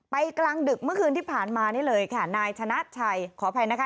กลางดึกเมื่อคืนที่ผ่านมานี่เลยค่ะนายชนะชัยขออภัยนะคะ